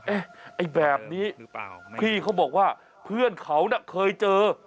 ไอ้แบบนี้พี่เขาบอกว่าเพื่อนเขาน่ะเคยเจอ